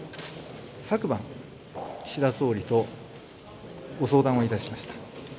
昨晩、岸田総理とご相談いたしました。